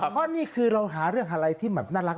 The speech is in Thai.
เพราะนี่คือเราหาเรื่องอะไรที่แบบน่ารัก